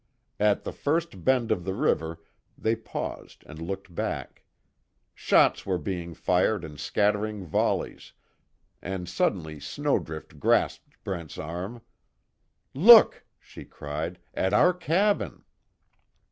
At the first bend of the river, they paused and looked back. Shots were being fired in scattering volleys, and suddenly Snowdrift grasped Brent's arm: "Look!" she cried, "At our cabin!"